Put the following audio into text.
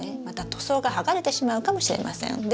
また塗装が剥がれてしまうかもしれません。